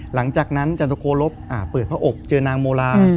หลังจากนั้นจตุโครบเปิดพระอกเจอนางโมลา